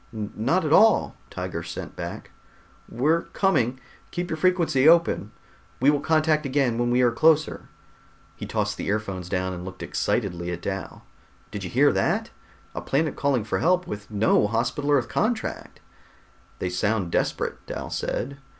"Not at all," Tiger sent back. "We're coming. Keep your frequency open. We will contact again when we are closer." He tossed down the earphones and looked excitedly at Dal. "Did you hear that? A planet calling for help, with no Hospital Earth contract!" "They sound desperate," Dal said.